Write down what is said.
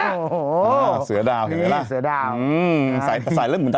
โอ้โหเสือดาลเห็นไหมล่ะ